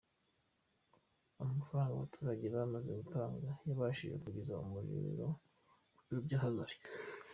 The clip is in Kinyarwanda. Amafaranga abaturage bamaze gutanga yabashije kugeza umuriro mu biro by’akagari.